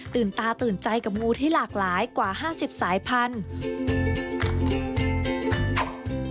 ตื่นตาตื่นใจกับงูที่หลากหลายกว่าห้าสิบสายพันธุ์